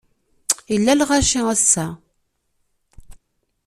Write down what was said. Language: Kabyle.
Yella lɣaci ass-a.